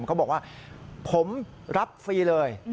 เขาบอกว่าผมรับฟรีเลย